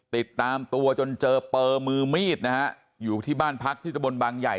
ติดตามตัวจนเจอเปอร์มือมีดนะฮะอยู่ที่บ้านพักที่ตะบนบางใหญ่